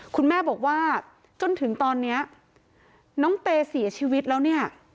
คุณแม่บอกว่าจนถึงตอนนี้น้องเตเสียชีวิตแล้วเนี่ย